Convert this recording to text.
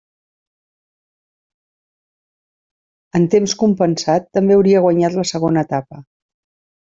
En temps compensat també hauria guanyat la segona etapa.